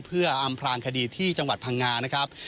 เพื่ออำพลางคดีที่จังหวัดพังงานะครับ